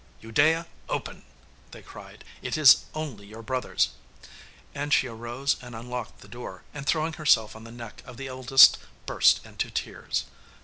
'Udea, open!' they cried, 'it is only your brothers!' And she arose and unlocked the door, and throwing herself on the neck of the eldest burst into tears.